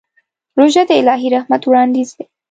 روژه د الهي رحمت وړاندیز دی.